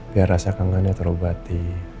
biar rasa kangennya terobati